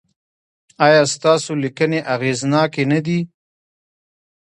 ایا ستاسو لیکنې اغیزناکې نه دي؟